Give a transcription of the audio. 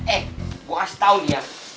eh gue harus tau lian